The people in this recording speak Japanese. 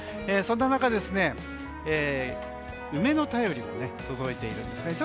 そんな中で梅の便りも届いています。